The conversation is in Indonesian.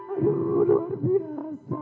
aduh luar biasa